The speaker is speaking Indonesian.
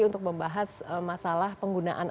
untuk membahas masalah penggunaan